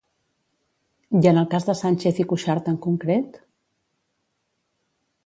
I en el cas de Sànchez i Cuixart en concret?